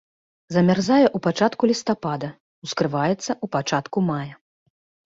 Замярзае ў пачатку лістапада, ускрываецца ў пачатку мая.